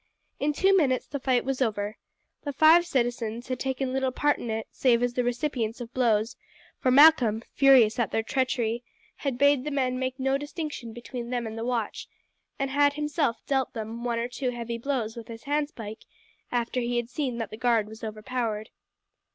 In two minutes the fight was over. The five citizens had taken little part in it, save as the recipients of blows; for Malcolm, furious at their treachery, had bade the men make no distinction between them and the watch, and had himself dealt them one or two heavy blows with his handspike after he had seen that the guard was overpowered.